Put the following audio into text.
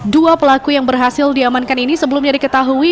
dua pelaku yang berhasil diamankan ini sebelumnya diketahui